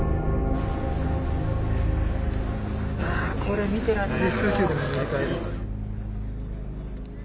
あこれ見てられない。